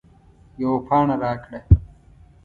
یوه پاڼه راکړه